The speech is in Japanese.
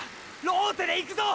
ローテでいくぞ。